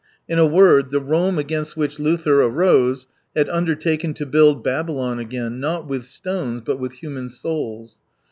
In a word, the Rome against which Luther arose had undertaken to build Babylon again, not with stones, but with human souls.